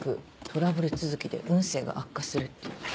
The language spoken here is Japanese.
トラブル続きで運勢が悪化するっていう。